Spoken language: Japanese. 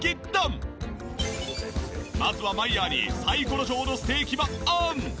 まずはマイヤーにサイコロ状のステーキをオン！